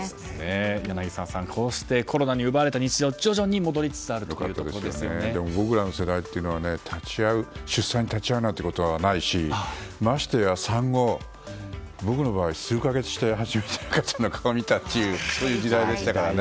柳澤さん、こうしてコロナに奪われた日常が僕らの世代は出産に立ち会うなんてことはないしましてや産後、僕の場合は数か月して初めて赤ちゃんの顔を見たそういう時代でしたからね。